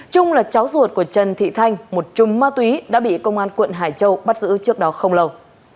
trung là cháu ruột của trần thị thanh một chung ma túy đã bị công an quận hải châu bắt giữ trước đó không lâu